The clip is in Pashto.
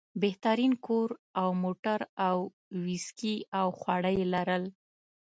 بهترین کور او موټر او ویسکي او خواړه یې لرل.